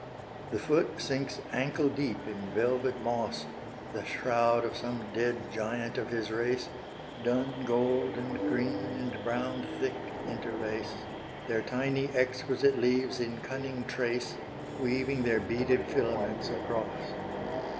The foot sinks ankle deep in velvet moss, The shroud of some dead giant of his race; Dun gold and green and brown thick interlace, Their tiny exquisite leaves in cunning trace, Weaving their beaded filaments across.